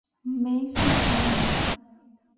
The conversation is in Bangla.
মেইসি, থামো!